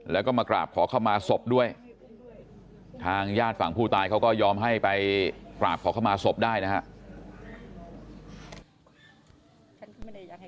แล้วก็มากราบขอเข้ามาศพด้วยทางญาติฝั่งผู้ตายเขาก็ยอมให้ไปกราบขอเข้ามาศพได้นะครับ